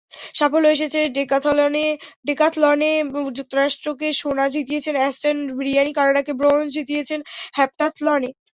সাফল্যও এসেছে, ডেকাথলনে যুক্তরাষ্ট্রকে সোনা জিতিয়েছেন অ্যাস্টন, ব্রিয়ানি কানাডাকে ব্রোঞ্জ জিতিয়েছেন হেপ্টাথলনে।